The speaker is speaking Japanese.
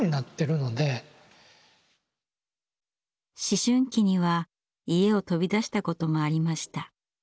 思春期には家を飛び出したこともありました。